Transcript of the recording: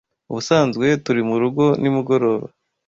Ubusanzwe turi murugo nimugoroba.